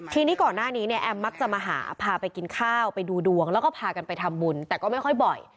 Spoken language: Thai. ทีนี้ก่อนหน้านี้เนี่ยแอมมักจะมาหาพาไปกินข้าวไปดูดวงแล้วก็พากันไปทำบุญแต่ก็ไม่ค่อยบ่อย